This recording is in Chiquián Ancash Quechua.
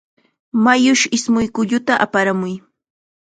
Mayush ismush kulluta aparamun.